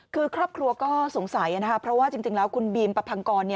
คือครอบครัวก็สงสัยนะคะเพราะว่าจริงแล้วคุณบีมประพังกร